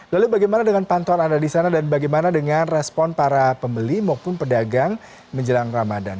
lalu bagaimana dengan pantauan anda di sana dan bagaimana dengan respon para pembeli maupun pedagang menjelang ramadan